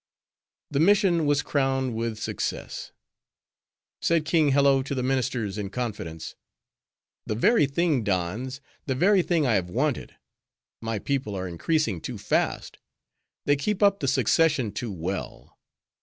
The mission was crowned with success. Said King Hello to the ministers, in confidence:—"The very thing, Dons, the very thing I have wanted. My people are increasing too fast. They keep up the succession too well.